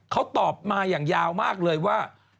เขาตอบมาอย่างยาวมากเลยว่า